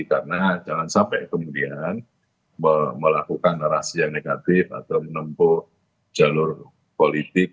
karena jangan sampai kemudian melakukan narasi yang negatif atau menempuh jalur politik